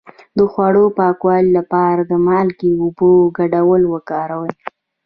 د خوړو د پاکوالي لپاره د مالګې او اوبو ګډول وکاروئ